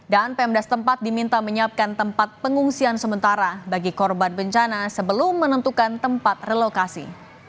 dan pemdas tempat diminta menyiapkan tempat pengungsian sementara bagi korban bencana sebelum menentukan tempat relokasi